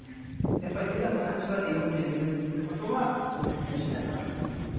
やっぱりユダの立場で読んでみるということはお勧めしたいなというふうに思います。